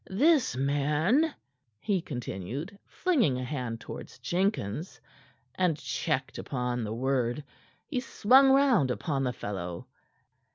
"This man," he continued, flinging a hand toward Jenkins, and checked upon the word. He swung round upon the fellow.